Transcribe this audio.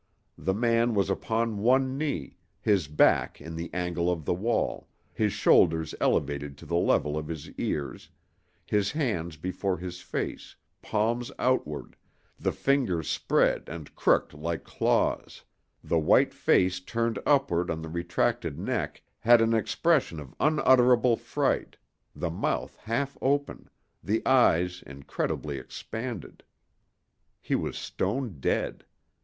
The man was upon one knee, his back in the angle of the wall, his shoulders elevated to the level of his ears, his hands before his face, palms outward, the fingers spread and crooked like claws; the white face turned upward on the retracted neck had an expression of unutterable fright, the mouth half open, the eyes incredibly expanded. He was stone dead.